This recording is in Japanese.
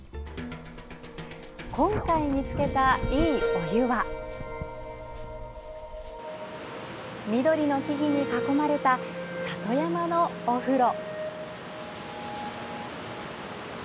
今回見つけた、いいお湯は緑の木々に囲まれた里山のお風呂。